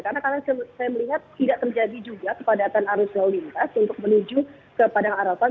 karena saya melihat tidak terjadi juga kepadatan arus jauh lintas untuk menuju ke padang arapah